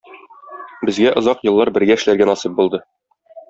Безгә озак еллар бергә эшләргә насыйп булды.